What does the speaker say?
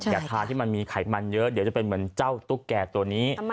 อย่าทานที่มันมีไขมันเยอะเดี๋ยวจะเป็นเหมือนเจ้าตุ๊กแก่ตัวนี้